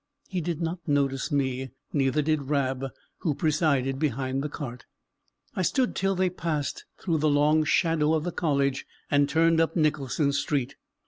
He did not notice me, neither did Rab, who presided behind the cart. I stood till they passed through the long shadow of the College, and turned up Nicholson Street.